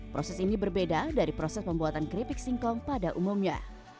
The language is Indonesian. proses ini berbeda dari proses pembuatan keripik singkong pada umumnya